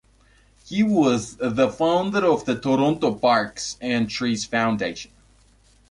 He was the founder of the Toronto Parks and Trees Foundation.